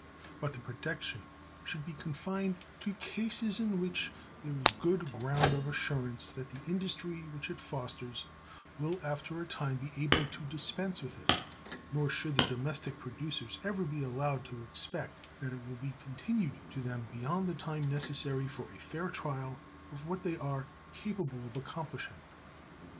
But the protection should be confined to cases in which there is good ground of assurance that the industry which it fosters will after a time be able to dispense with it; nor should the domestic producers ever be allowed to expect that it will be continued to them beyond the time necessary for a fair trial of what they are capable of accomplishing.